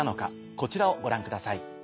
こちらをご覧ください。